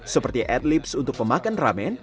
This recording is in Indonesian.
seperti ad libs untuk pemakan ramen